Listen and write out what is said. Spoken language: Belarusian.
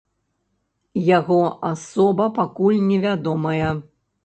Яго асоба пакуль не вядомая.